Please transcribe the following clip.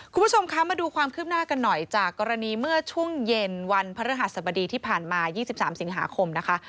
คุณผู้ชมคะมาดูความคืบหน้ากันหน่อยจากกรณีเมื่อช่วงเย็นวันพระฤหัสบดีที่ผ่านมา๒๓สิงหาคมนะคะ